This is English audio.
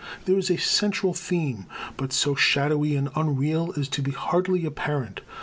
There is a central theme, but so shadowy and unreal as to be hardly apparent.